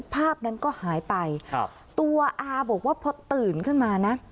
ภาพนั้นก็หายไปครับตัวอาบอกว่าพอตื่นขึ้นมานะ